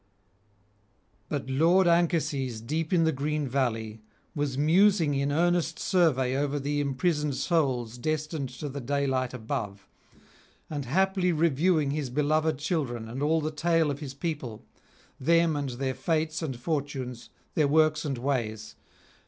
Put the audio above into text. But lord Anchises, deep in the green valley, was musing in earnest survey over the imprisoned souls destined to the daylight above, and haply reviewing his beloved children and all the tale of his people, them and their fates and fortunes, their works and ways.